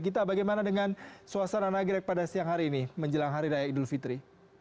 gita bagaimana dengan suasana nagrek pada siang hari ini menjelang hari raya idul fitri